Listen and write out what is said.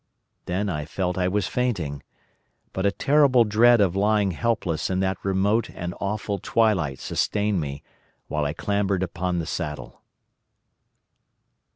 Then I felt I was fainting. But a terrible dread of lying helpless in that remote and awful twilight sustained me while I clambered upon the saddle.